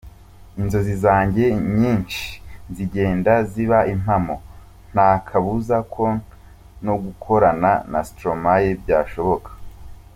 Inzozi zanjye nyinshi zigenda ziba impamo, nta kabuza ko no gukorana na Stromae byashoboka.